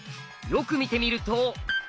よく見てみると。